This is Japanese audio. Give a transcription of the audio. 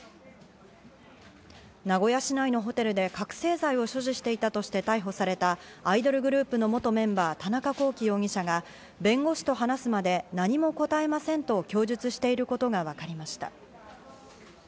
名古屋市内のホテルで覚せい剤を所持していたとして逮捕されたアイドルグループの元メンバー田中聖容疑者が弁護士と話すまで何も答えませんと供述していることがわかりました。